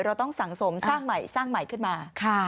เราต้องสังสมสร้างใหม่สร้างใหม่ขึ้นมา